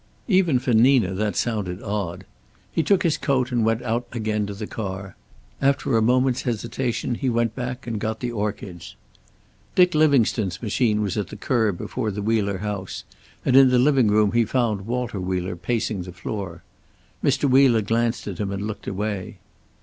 Even for Nina that sounded odd. He took his coat and went out again to the car; after a moment's hesitation he went back and got the orchids. Dick Livingstone's machine was at the curb before the Wheeler house, and in the living room he found Walter Wheeler, pacing the floor. Mr. Wheeler glanced at him and looked away.